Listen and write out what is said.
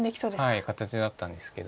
はい形だったんですけど。